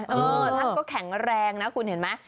ท่านก็แข็งแรงนะคุณเห็นไหม